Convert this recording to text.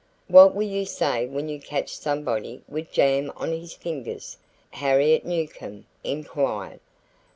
"What will you say when you catch somebody with jam on his fingers?" Harriet Newcomb inquired.